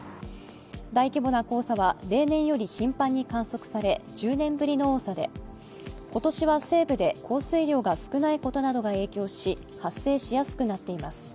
大規模な黄砂は例年より頻繁に観測され１０年ぶりの多さで今年は西部で降水量が少ないことなどが影響し発生しやすくなっています。